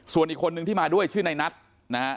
ส่วนอีกคนนึงที่มาด้วยชื่อในนัทนะฮะ